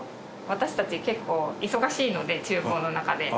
私たち結構忙しいので厨房の中で。